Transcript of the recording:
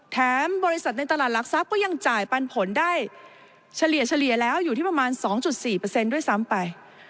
บริษัทในตลาดหลักทรัพย์ก็ยังจ่ายปันผลได้เฉลี่ยแล้วอยู่ที่ประมาณ๒๔ด้วยซ้ำไป